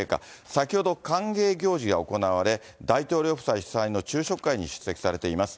先ほど歓迎行事が行われ、大統領夫妻主催の昼食会に出席されています。